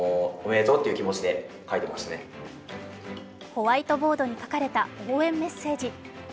ホワイトボードに書かれた応援メッセージ。